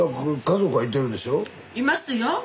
いますよ。